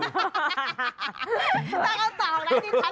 ถ้าเค้าตอกแล้ว